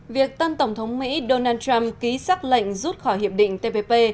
việc tân tổng thống mỹ donald trump ký xác lệnh rút khỏi hiệp định tpp